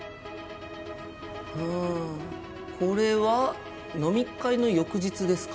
うんこれは飲み会の翌日ですか？